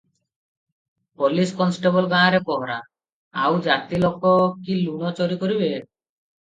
Police constable ଗାଁରେ ପହରା- ଆଉ ଜାତି ଲୋକ କି ଲୁଣ ଚୋରି କରିବେ?